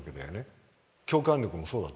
共感力もそうだと思う。